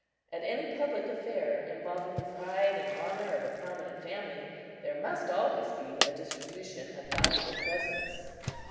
At any public affair, involving the pride and honor of a prominent family, there must always be a distribution of valuable presents.